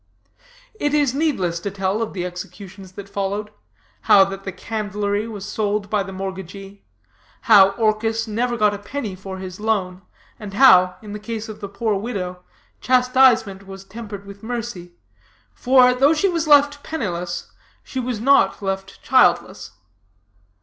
"It is needless to tell of the executions that followed; how that the candlery was sold by the mortgagee; how Orchis never got a penny for his loan; and how, in the case of the poor widow, chastisement was tempered with mercy; for, though she was left penniless, she was not left childless.